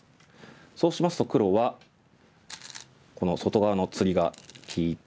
そうしますと黒はこの外側の釣りが利いて。